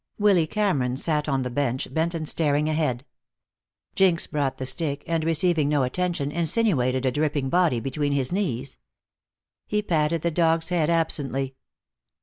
Willy Cameron sat on the bench, bent and staring ahead. Jinx brought the stick, and, receiving no attention, insinuated a dripping body between his knees. He patted the dog's head absently.